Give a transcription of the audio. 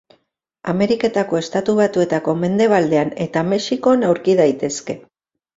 Ameriketako Estatu Batuetako mendebaldean eta Mexikon aurki daitezke.